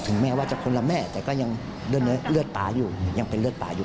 ถึงแม้ว่าจะคนน้ำแม่แต่ก็ยังดื่อเงินเลือดตาอยู่